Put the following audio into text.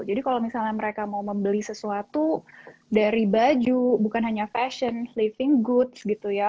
jadi kalau misalnya mereka mau membeli sesuatu dari baju bukan hanya fashion living goods gitu ya